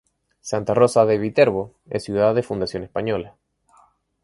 Santa Rosa de Viterbo es ciudad de fundación española.